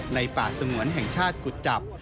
ป่าสงวนแห่งชาติกุจจับ